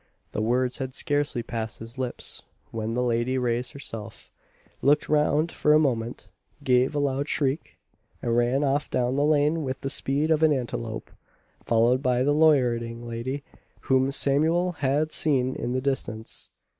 The words had scarcely passed his lips when the lady raised herself, looked round for a moment, gave a loud shriek, and ran off down the lane with the speed of an antelope followed by the loitering lady whom Samuel had seen in the distance.